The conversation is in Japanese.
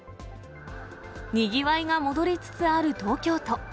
にぎわいが戻りつつある東京都。